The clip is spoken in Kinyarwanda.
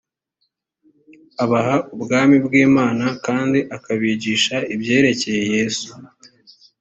abaha ubwami bw imana kandi akabigisha ibyerekeye yesu